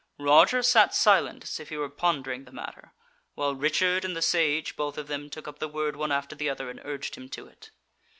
Roger sat silent as if he were pondering the matter, while Richard and the Sage, both of them, took up the word one after the other, and urged him to it.